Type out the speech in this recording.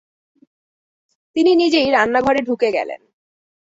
তিনি নিজেই রান্নাঘরে ঢুকে গেলেন।